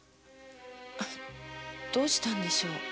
どうしたんでしょう？